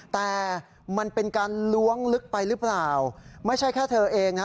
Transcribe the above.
แต่มันเป็นการล้วงลึกไปหรือเปล่าไม่ใช่แค่เธอเองนะ